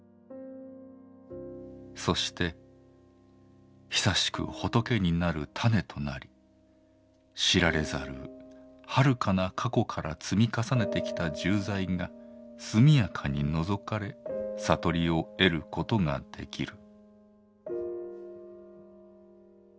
「そして久しく仏になる種となり知られざるはるかな過去から積み重ねてきた重罪がすみやかに除かれ悟りを得ることができる」。